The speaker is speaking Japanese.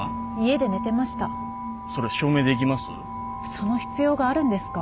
その必要があるんですか？